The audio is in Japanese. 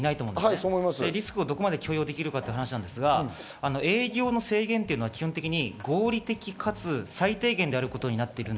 どこまでリスクを許容できるかという話ですが営業の制限というのは、基本的に合理的かつ最低限であることになっている。